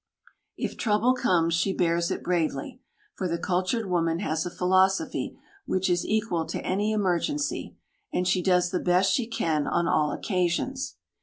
If trouble comes, she bears it bravely, for the cultured woman has a philosophy which is equal to any emergency, and she does the best she can on all occasions.